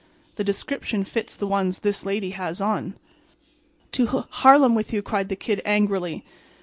The description fits the ones this lady has on." "To h—Harlem with you," cried the Kid, angrily.